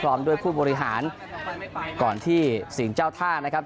ด้วยผู้บริหารก่อนที่สิงห์เจ้าท่านะครับ